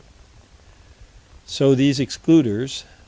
So these excluders.